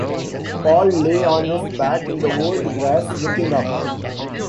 Paul lay on his back in the old grass, looking up.